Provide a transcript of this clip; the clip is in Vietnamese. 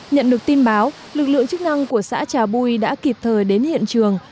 nhận được tin báo lực lượng chức năng của xã trà bui đã kịp thời đến hiện trường